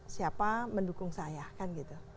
siapa mendukung saya kan gitu